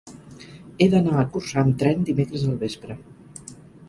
He d'anar a Corçà amb tren dimecres al vespre.